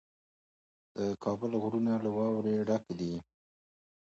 The results are sent back to the calling object.